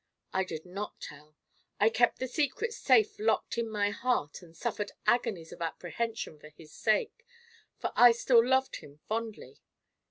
I did not tell; I kept the secret safe locked in my heart and suffered agonies of apprehension for his sake, for I still loved him fondly.